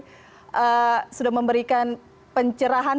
kita sudah memberikan pencerahan